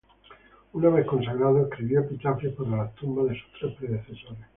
Una vez consagrado, escribió epitafios para las tumbas de sus tres predecesores.